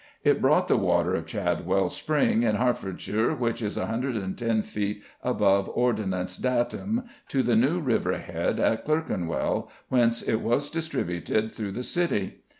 It brought the water of Chadwell spring in Hertfordshire, which is 110 feet above ordinance datum, to the New River head at Clerkenwell, whence it was distributed through the City.